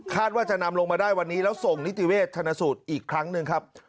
ว่าจะนำลงมาได้วันนี้แล้วส่งนิติเวชชนสูตรอีกครั้งหนึ่งครับ